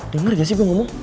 denger gak sih gue ngomong